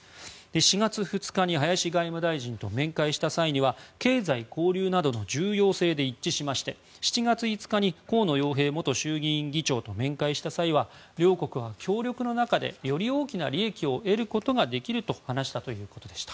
４月２日に林外務大臣と面会した際には経済交流などの重要性で一致しまして７月５日に河野洋平元衆院議長と面会した際は両国は協力の中でより大きな利益を得ることができると話したということでした。